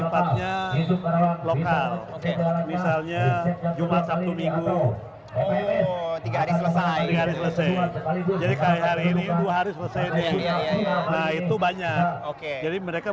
sifatnya lokal misalnya jumat sabtu minggu tiga hari selesai hari ini itu banyak oke jadi mereka